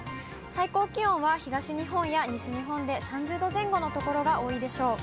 最高気温は東日本や西日本で３０度前後の所が多いでしょう。